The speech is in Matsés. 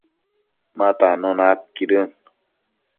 ma tannuna aidquidën